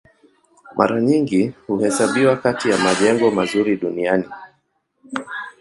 Mara nyingi huhesabiwa kati ya majengo mazuri duniani.